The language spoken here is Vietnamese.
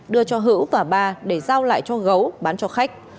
đưa cho hữu và ba để giao lại cho gấu bán cho khách